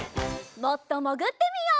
もっともぐってみよう。